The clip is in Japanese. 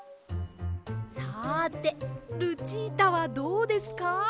さてルチータはどうですか？